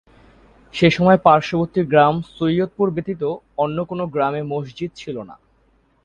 সে সময়ে পার্শ্ববর্তী গ্রাম সৈয়দপুর ব্যতীত অন্য কোন গ্রামে মসজিদ ছিল না।